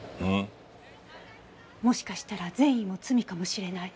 もしかしたら善意も罪かもしれない。